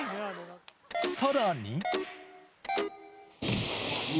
さらに。